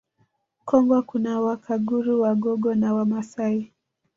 Kongwa kuna Wakaguru Wagogo na Wamasai